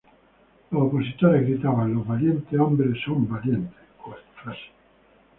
Los opositores gritaban: “Los valientes hombres son valientes.